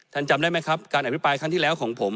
ท่านจำได้ไหมครับการอธิปายขั้นที่แล้วของผม